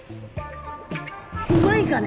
うまいかね！